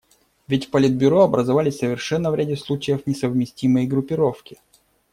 Ведь в Политбюро образовались совершенно в ряде случаев несовместимые группировки.